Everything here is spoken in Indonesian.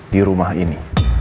di rumah ini